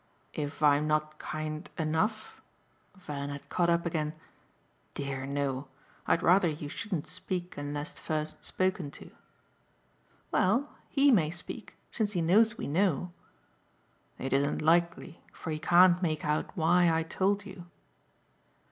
"If I'm not kind ENOUGH?" Van had caught up again. "Dear no; I'd rather you shouldn't speak unless first spoken to." "Well, HE may speak since he knows we know." "It isn't likely, for he can't make out why I told you."